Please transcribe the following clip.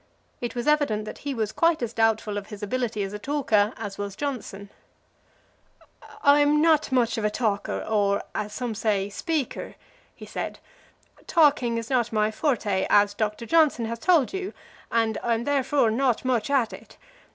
It was evident that he was quite as doubtful of his ability as a talker as was Johnson. "I'm not much of a talker, or, as some say, speaker," he said. "Talking is not my forte, as Doctor Johnson has told you, and I am therefore not much at it.